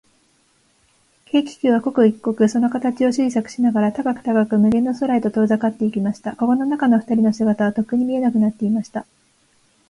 軽気球は、刻一刻、その形を小さくしながら、高く高く、無限の空へと遠ざかっていきました。かごの中のふたりの姿は、とっくに見えなくなっていました。